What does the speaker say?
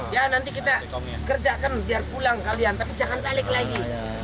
ya nanti kita kerjakan biar pulang kalian tapi jangan caleg lagi